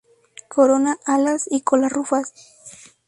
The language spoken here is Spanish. Corona, alas y cola rufas.